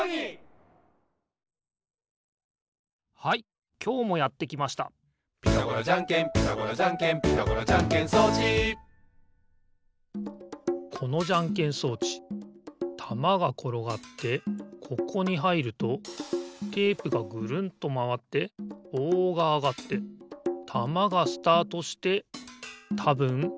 はいきょうもやってきました「ピタゴラじゃんけんピタゴラじゃんけん」「ピタゴラじゃんけん装置」このじゃんけん装置たまがころがってここにはいるとテープがぐるんとまわってぼうがあがってたまがスタートしてたぶんグーがでる。